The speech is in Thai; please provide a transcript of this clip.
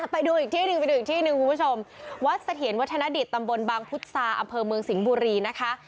ไปดูอีกที่หนึ่งวัดเสถียรวรรษณะดิตตำบลบังพุทธศาสตร์อำเภอเมืองสิงห์บุรีนะคะ